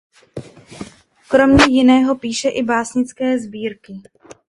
Kromě jiného píše i básnické sbírky.